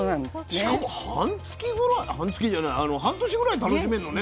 しかも半月ぐらい半月じゃない半年ぐらい楽しめるのね。